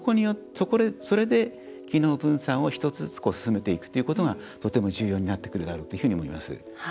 それで機能分散を１つずつ進めていくということがとても重要になってくるだろうというふうに思います。